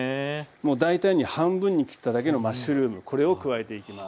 もう大体に半分に切っただけのマッシュルームこれを加えていきます。